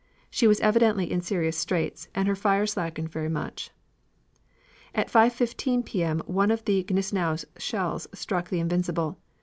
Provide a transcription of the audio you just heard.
She was evidently in serious straits, and her fire slackened very much. "At 5.15 P. M. one of the Gneisenau's shells struck the Invincible.